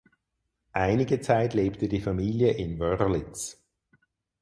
Einige Zeit lebte die Familie in Wörlitz.